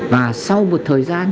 và sau một thời gian